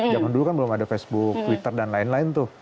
zaman dulu kan belum ada facebook twitter dan lain lain tuh